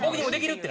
って。